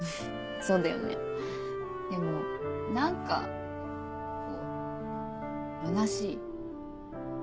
そうだよねでも何かむなしい。